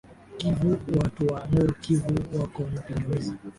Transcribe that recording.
kivu watu wa nor kivu wako na pingamizi